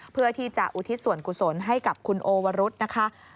เพื่อที่จะอุทิศส่วนกุศลให้กับคุณโอวรุษนะคะ